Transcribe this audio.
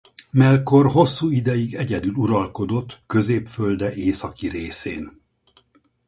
Melkor hosszú ideig egyedül uralkodott Középfölde északi részén.